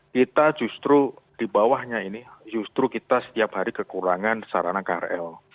kita justru di bawahnya ini justru kita setiap hari kekurangan sarana krl